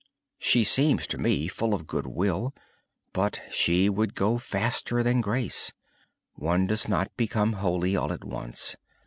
She is full of good will but she would go faster than grace! One does not become holy all at once.